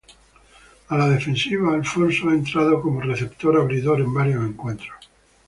A la defensiva, Alfonso ha entrado como receptor abridor en varios encuentros.